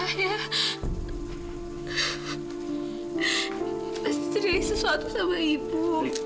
aku bisa cerai sesuatu sama ibu